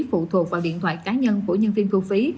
phụ thuộc vào điện thoại cá nhân của nhân viên thu phí